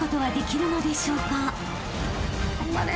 頑張れ。